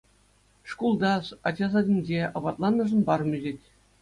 Шкулта, ача садӗнче апатланнӑшӑн парӑм ӳсет.